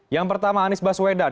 yang pertama anies baswedan